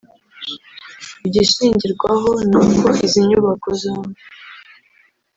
Igishingirwaho ni uko izi nyubako zombi